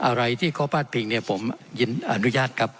อะไรที่เขาพาดพิงเนี่ยผมอนุญาตครับ